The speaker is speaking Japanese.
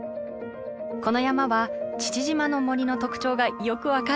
この山は父島の森の特徴がよく分かるんです！